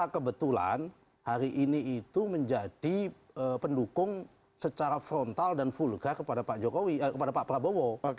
kebetulan hari ini itu menjadi pendukung secara frontal dan vulgar kepada pak prabowo